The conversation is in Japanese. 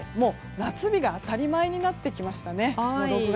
夏日が当たり前になってきましたね。